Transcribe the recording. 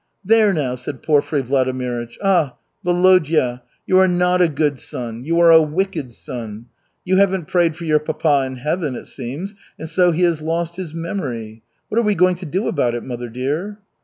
"There, now!" said Porfiry Vladimirych. "Ah, Volodya! You are not a good son. You are a wicked son. You haven't prayed for your papa in Heaven, it seems, and so he has lost his memory. What are we going to do about it, mother dear?"